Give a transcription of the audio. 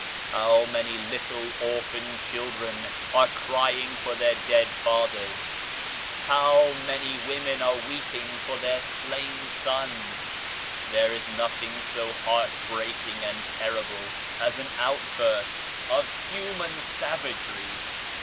How many little orphaned children are crying for their dead fathers, how many women are weeping for their slain sons ! There is nothing so heart breaking and terrible as an outburst of human savagery